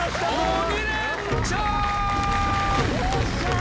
よっしゃー！